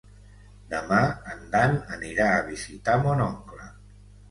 Demà en Dan anirà a visitar mon oncle.